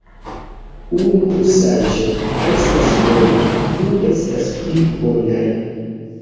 Unu saĝo estas bona, du estas pli bonaj.